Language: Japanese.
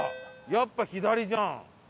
やっぱ左じゃん。